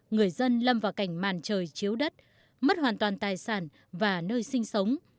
người dân lâm vào cảnh màn trời chiếu đất mất hoàn toàn tài sản và nơi sinh sống